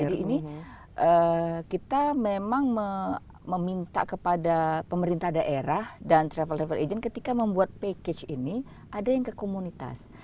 jadi ini kita memang meminta kepada pemerintah daerah dan travel agent ketika membuat package ini ada yang ke komunitas